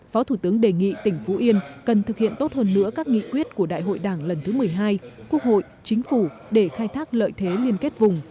phó thủ tướng đề nghị tỉnh phú yên cần thực hiện tốt hơn nữa các nghị quyết của đại hội đảng lần thứ một mươi hai quốc hội chính phủ để khai thác lợi thế liên kết vùng